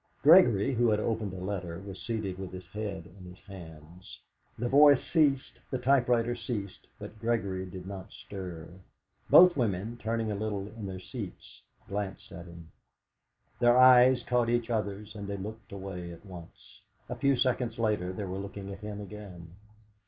Gregory, who had opened a letter, was seated with his head in his hands. The voice ceased, the typewriter ceased, but Gregory did not stir. Both women, turning a little in their seats, glanced at him. Their eyes caught each other's and they looked away at once. A few seconds later they were looking at him again.